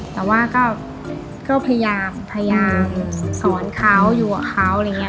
แต่ว่าก็พยายามพยายามสอนเขาอยู่กับเขาอะไรอย่างนี้